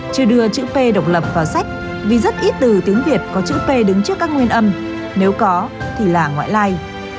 chưa đưa chữ phê độc lập vào sách vì rất ít từ tiếng việt có chữ p đứng trước các nguyên âm nếu có thì là ngoại lai